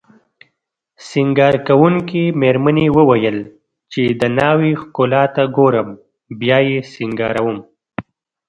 سینګاروونکې میرمنې وویل چې د ناوې ښکلا ته ګورم بیا یې سینګاروم